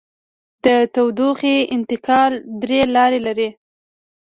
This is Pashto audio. د تودوخې انتقال درې لارې لري.